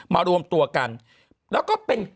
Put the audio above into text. มารวมตัวกันแล้วก็เป็น